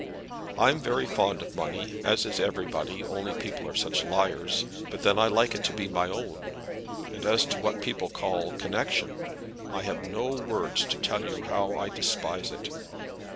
I'm very fond of money, as is everybody, only people are such liars, but then I like it to be my own; and as to what people call connexion, I have no words to tell you how I despise it.